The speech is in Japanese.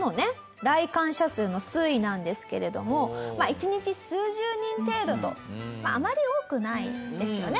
来館者数の推移なんですけれども１日数十人程度とあまり多くないですよね